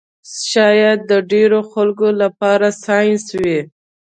شاید د ډېرو خلکو لپاره ساینس وي